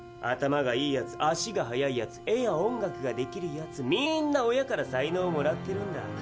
頭がいいやつ足が速いやつ絵や音楽ができるやつみんな親から才能をもらってるんだ。